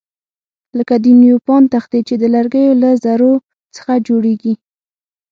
لکه د نیوپان تختې چې د لرګیو له ذرو څخه جوړیږي.